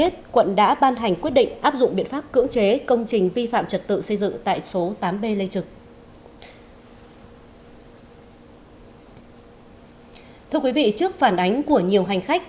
thưa quý vị trước phản ánh của nhiều hành khách